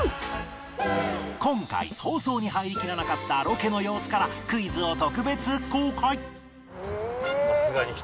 今回放送に入りきらなかったロケの様子からクイズを特別公開